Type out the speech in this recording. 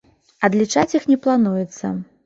Адлічаць іх не плануецца.